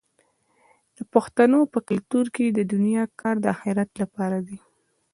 د پښتنو په کلتور کې د دنیا کار د اخرت لپاره دی.